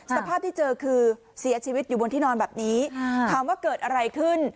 สภาพที่เจอคือเสียชีวิตอยู่บนที่นอนแบบนี้ถามว่าเกิดอะไรขึ้น